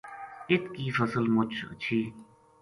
اِت کی فصل مچ ہچھی